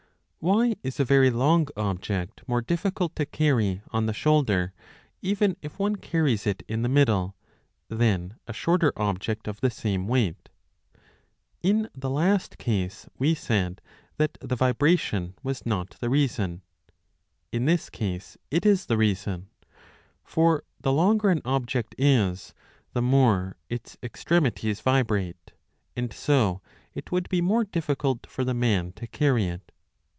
WHY is a very long object more difficult to carry on the shoulder, even if one carries it in the middle, than a shorter object of the same weight ? In the last case we said that the vibration was not the reason ; in this case it is the 25 reason. For the longer an object is, the more its extremities vibrate, and so it would be more difficult for the man to carry it.